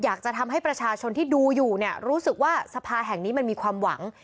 อยากจะทำให้ประชาชนที่ดูอยู่เนี่ยรู้สึกว่าสภาแห่งนี้มันมีความหวัง